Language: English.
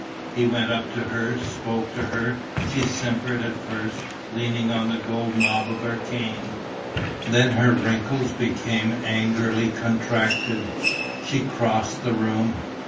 He went up to her, spoke to her. She simpered at first, leaning on the gold knob of her cane. Then her wrinkles became angrily contracted. She crossed the room.